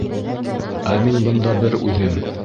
Ә мин бында бер үҙем...